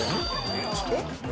えっ？